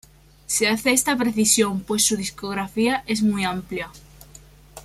Se hace esta precisión, pues su discografía es muy amplia.